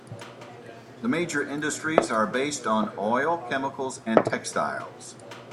The major Industries are based on oil, chemicals, and textiles.